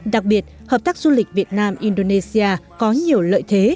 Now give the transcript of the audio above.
đặc biệt hợp tác du lịch việt nam indonesia có nhiều lợi thế